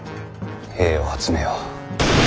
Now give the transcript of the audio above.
兵を集めよ。